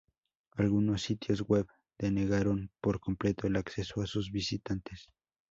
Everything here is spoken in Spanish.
Algunos sitios Web denegaron por completo el acceso a sus visitantes.